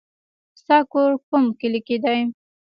ستا کور کوم کلي کې دی